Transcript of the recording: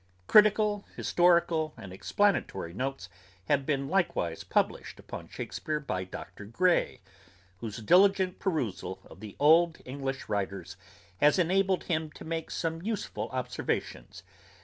Critical, historical and explanatory notes have been likewise published upon Shakespeare by Dr. Grey, whose diligent perusal of the old English writers has enabled him to make some useful observations.